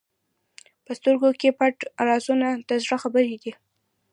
په سترګو کې پټ رازونه د زړه خبرې دي.